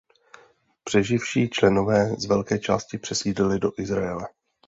Přeživší členové z velké části přesídlili do Izraele.